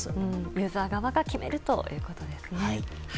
ユーザー側が決めるということですね。